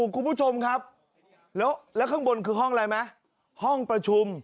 คุณผู้ชมครับแล้วข้างบนคือห้องอะไรไหมห้องประชุม